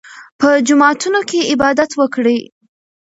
په جوماتونو کې عبادت وکړئ.